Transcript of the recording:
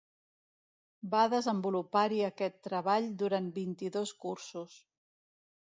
Va desenvolupar-hi aquest treball durant vint-i-dos cursos.